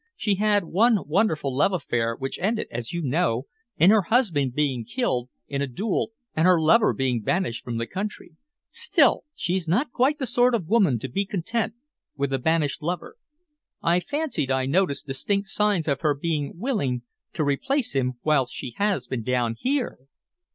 "She had one wonderful love affair, which ended, as you know, in her husband being killed in a duel and her lover being banished from the country. Still, she's not quite the sort of woman to be content with a banished lover. I fancied I noticed distinct signs of her being willing to replace him whilst she has been down here!"